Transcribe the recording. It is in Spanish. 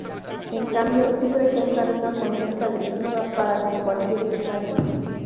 En cambio, sí presentan una conducta agresiva para con cualquier extraño.